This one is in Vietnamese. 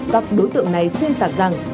các đối tượng này xuyên tạc rằng